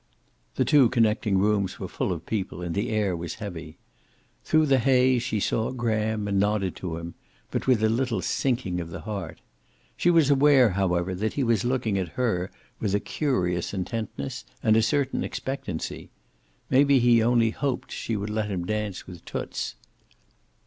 The two connecting rooms were full of people, and the air was heavy. Through the haze she saw Graham, and nodded to him, but with a little sinking of the heart. She was aware, however, that he was looking at her with a curious intentness and a certain expectancy. Maybe he only hoped she would let him dance with Toots.